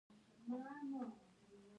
د هلمند په ګرمسیر کې د مرمرو نښې شته.